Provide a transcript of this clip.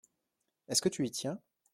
Est-ce que tu y tiens ?